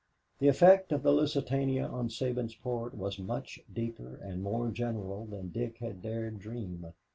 The effect of the Lusitania on Sabinsport was much deeper and more general than Dick had dared dream.